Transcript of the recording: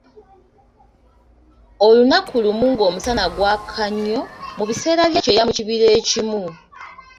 Olunaku lumu ng'omusana gwaka nnyo, mu biseera by'ekyeya mu kibira ekimu.